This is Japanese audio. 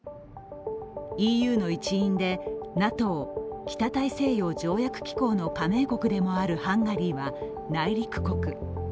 ＥＵの一員で、ＮＡＴＯ＝北大西洋条約機構の加盟国でもあるハンガリーは内陸国。